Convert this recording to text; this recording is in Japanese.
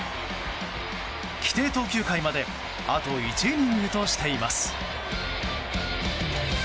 規定投球回まであと１イニングとしています。